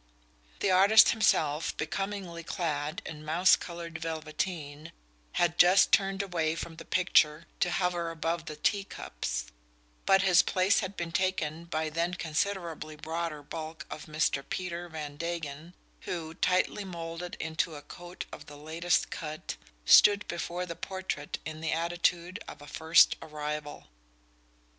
The artist himself, becomingly clad in mouse coloured velveteen, had just turned away from the picture to hover above the tea cups; but his place had been taken by the considerably broader bulk of Mr. Peter Van Degen, who, tightly moulded into a coat of the latest cut, stood before the portrait in the attitude of a first arrival.